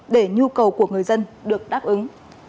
để nhu cầu của người dân được đáp ứng